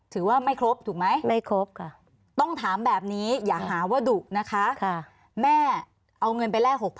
ถือว่าไม่ครบถูกไหมไม่ครบค่ะต้องถามแบบนี้อย่าหาว่าดุนะคะแม่เอาเงินไปแลก๖๐๐